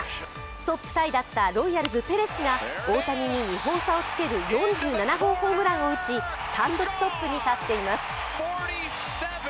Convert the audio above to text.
トップタイだったロイヤルズ・ペレスが大谷に２本差をつける４７号ホームランを打ち単独トップに立っています。